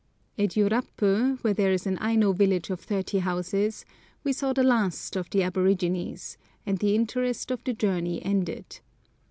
At Yurapu, where there is an Aino village of thirty houses, we saw the last of the aborigines, and the interest of the journey ended.